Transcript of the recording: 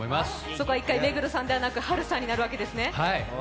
そこは一回、目黒さんではなくハルさんになるんですね。